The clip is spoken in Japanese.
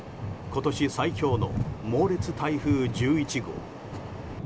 今年最強の猛烈台風１１号。